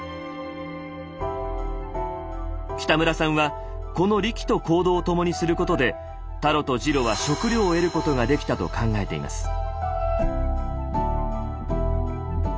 北村さんはこのリキと行動を共にすることでタロとジロは食料を得ることができたと考えています。